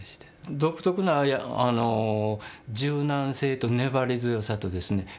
独特な柔軟性と粘り強さとですね